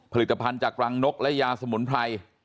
ผลิตภัณฑ์จากรังนกและยาสมุนไพร